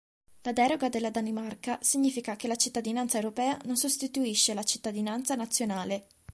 La deroga della Danimarca significa che "la cittadinanza europea non sostituisce la cittadinanza nazionale".